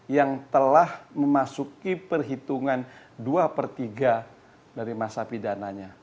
yang telah memasuki perhitungan dua per tiga dari masa pidananya